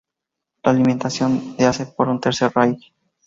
La alimentación de hace por un tercer rail.